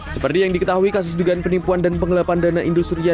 seperti yang diketahui kasus dugaan penipuan dan pengelapan dana industrial